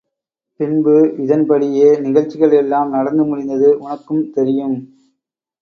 பின்பு இதன் படியே நிகழ்ச்சிகள் எல்லாம் நடந்து முடிந்தது உனக்கும் தெரியும்.